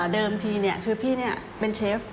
เดิมทีคือพี่เป็นเชฟ